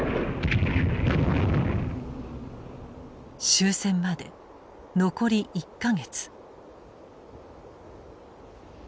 終戦まで残り１か月。